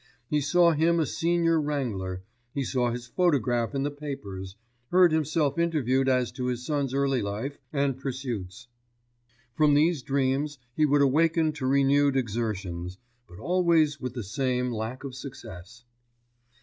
He saw him a senior wrangler, he saw his photograph in the papers, heard himself interviewed as to his son's early life and pursuits. From these dreams he would awaken to renewed exertions; but always with the same lack of success.